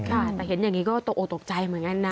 แต่เห็นอย่างนี้ก็ตกออกตกใจเหมือนกันนะ